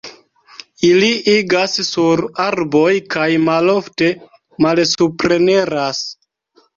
Ili agas sur arboj kaj malofte malsupreniras.